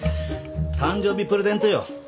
誕生日プレゼントよ。